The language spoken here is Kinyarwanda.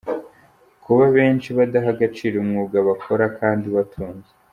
Kuba benshi badaha agaciro umwuga bakora kandi ubatunze.